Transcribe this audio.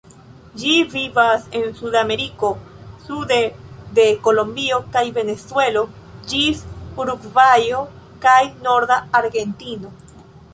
Ĝi vivas en Sudameriko, sude de Kolombio kaj Venezuelo ĝis Urugvajo kaj norda Argentino.